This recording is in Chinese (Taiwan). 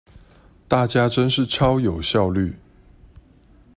大家真是超有效率